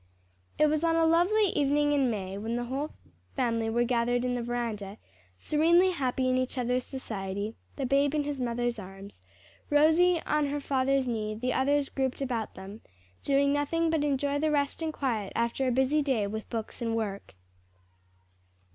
It was on a lovely evening in May, when the whole family were gathered in the veranda, serenely happy in each other's society, the babe in his mother's arms, Rosie on her father's knee, the others grouped about them, doing nothing but enjoy the rest and quiet after a busy day with books and work.